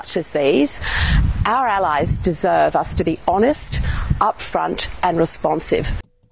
rakyat kami berharga untuk menjadi jujur berpengalaman dan responsif